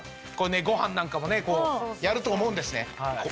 ご飯なんかもやると思うんですね。